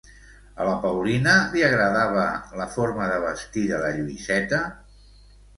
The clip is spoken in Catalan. A la Paulina li agradava la forma de vestir de la Lluïseta?